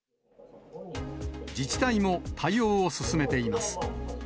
自治体も対応を進めています。